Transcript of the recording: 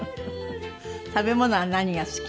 食べ物は何が好き？